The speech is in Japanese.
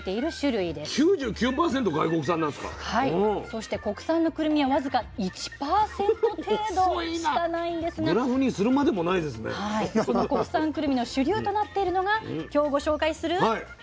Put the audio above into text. そして国産のくるみはわずか１％程度しかないんですがこの国産くるみの主流となっているのが今日ご紹介するこちらです。